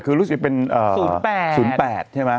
คือรู้สึกเป็น๐๘๐๘ใช่ไหม